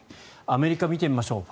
アメリカを見てみましょう。